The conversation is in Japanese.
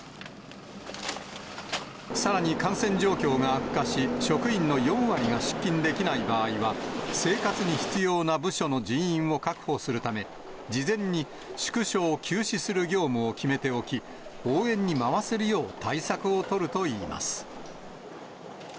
さらに感染状況が悪化し、職員の４割が出勤できない場合は、生活に必要な部署の人員を確保するため、事前に、縮小、休止する業務を決めておき、応援に回せるよう対策を取るといいます。